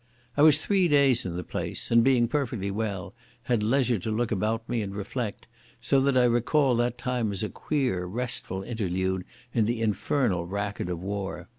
I was three days in the place and, being perfectly well, had leisure to look about me and reflect, so that I recall that time as a queer, restful interlude in the infernal racket of war.